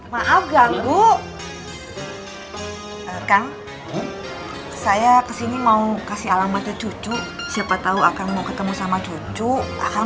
maaf ganggu kang saya kesini mau kasih alamatnya cucu siapa tahu akan mau ketemu sama cucu akan